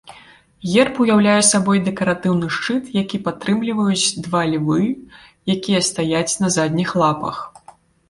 Герб уяўляе сабой дэкаратыўны шчыт, які падтрымліваюць два львы, якія стаяць на задніх лапах.